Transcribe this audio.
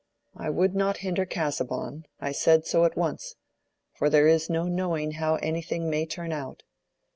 I would not hinder Casaubon; I said so at once; for there is no knowing how anything may turn out.